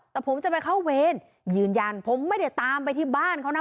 แต่ผมจะไปเข้าเวรยืนยันผมไม่ได้ตามไปที่บ้านเขานะ